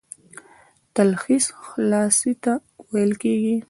تلخیص خلاصې ته ويل کیږي.